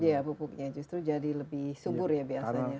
iya pupuknya justru jadi lebih subur ya biasanya